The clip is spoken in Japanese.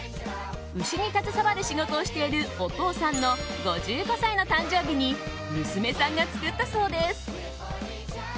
牛に携わる仕事をしているお父さんの５５歳の誕生日に娘さんが作ったそうです。